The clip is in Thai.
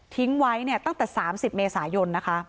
ไว้เนี่ยตั้งแต่๓๐เมษายนนะคะ